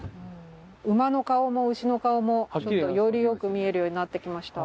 馬の顔も牛の顔もよりよく見えるようになってきました。